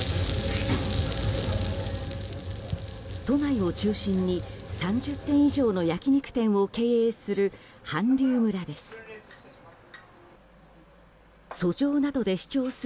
都内を中心に３０店以上の焼き肉店を経営する韓流村です。